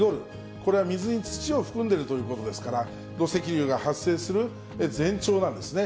これは水に土を含んでいるということですから、土石流が発生する前兆なんですね。